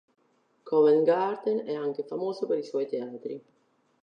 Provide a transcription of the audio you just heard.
Covent Garden è anche famoso per i suoi teatri.